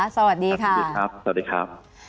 สวัสดีค่ะสวัสดีครับ